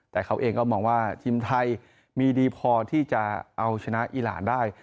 แต่เขาเองก็มองว่าทีมไทยมีดีพอที่จะเอาชนะอีหลานได้